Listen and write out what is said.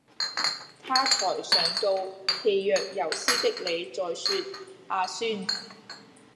她才想到氣若游絲的你在說「阿孫」！